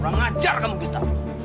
ngejar kamu gustaf